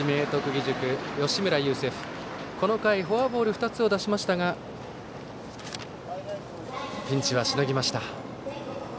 義塾、吉村優聖歩この回、フォアボール２つを出しましたがピンチをしのぎました。